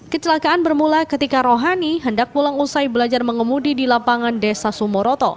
kecelakaan bermula ketika rohani hendak pulang usai belajar mengemudi di lapangan desa sumoroto